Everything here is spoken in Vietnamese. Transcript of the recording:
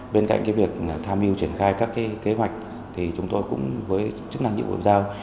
bên cạnh việc tham mưu triển khai các kế hoạch thì chúng tôi cũng với chức năng nhiệm vụ được giao